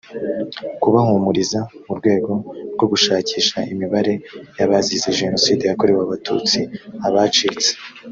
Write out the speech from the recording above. kubahumuriza mu rwego rwo gushakisha imibare y abazize jenoside yakorewe abatutsi abacitse